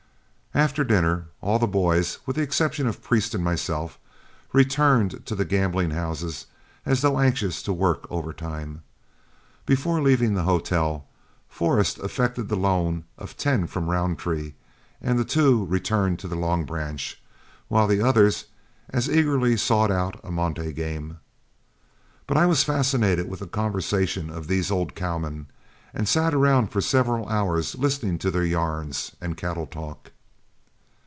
After dinner, all the boys, with the exception of Priest and myself, returned to the gambling houses as though anxious to work overtime. Before leaving the hotel, Forrest effected the loan of ten from Roundtree, and the two returned to the Long Branch, while the others as eagerly sought out a monte game. But I was fascinated with the conversation of these old cowmen, and sat around for several hours listening to their yarns and cattle talk.